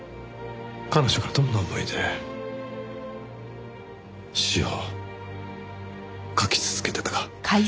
彼女がどんな思いで詩を書き続けていたか。